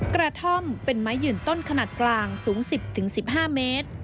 กระท่อมเป็นไม้ยืนต้นขนาดกลางสูง๑๐๑๕เมตร